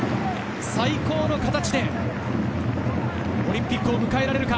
最高の形でオリンピックを迎えられるか。